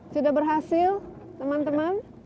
sudah berhasil teman teman